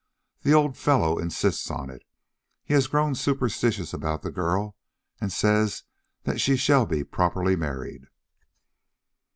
The old fellow insists on it; he has grown superstitious about the girl and says that she shall be properly married."